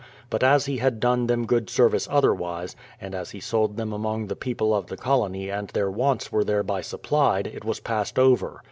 But as he had done them good service otherwise, and as he sold them among the people of the colony and their wants were thereby supplied, it was passed over.